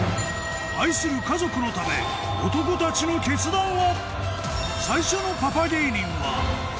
愛する家族のため男たちの決断は？